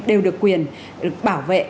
đều được quyền bảo vệ